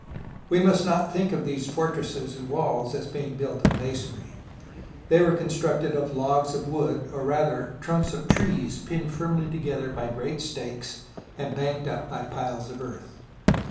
We must not think of these fortresses and walls as being built of masonry. They were constructed of logs of wood, or, rather, trunks of trees, pinned firmly together by great stakes and banked up by piles of earth.